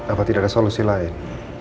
apa tidak ada solusi lain